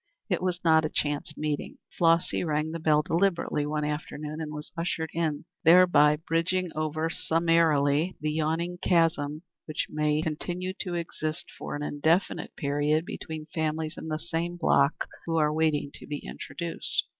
It was not a chance meeting. Flossy rang the bell deliberately one afternoon and was ushered in, thereby bridging over summarily the yawning chasm which may continue to exist for an indefinite period between families in the same block who are waiting to be introduced.